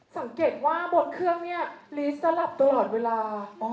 สังเกตว่าบนเครื่องนี้ลีสลับตลอดเวลา